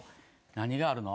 何があるの？